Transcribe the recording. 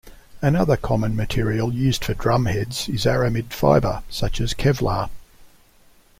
Another common material used for drumheads is aramid fiber, such as kevlar.